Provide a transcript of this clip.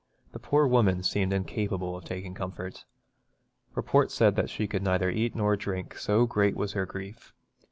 The poor woman seemed incapable of taking comfort. Report said that she could neither eat nor drink, so great was her grief.